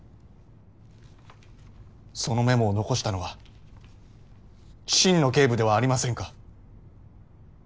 そのメモを遺したのは心野警部ではありませんか？